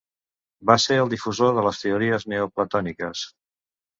Va ser el difusor de les teories neoplatòniques.